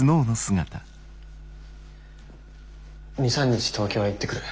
２３日東京へ行ってくる。